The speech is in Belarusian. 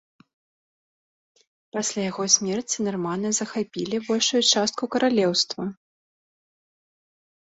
Пасля яго смерці нарманы захапілі большую частку каралеўства.